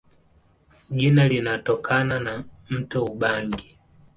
Jina linatokana na mto Ubangi.